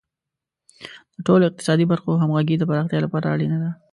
د ټولو اقتصادي برخو همغږي د پراختیا لپاره اړینه ده.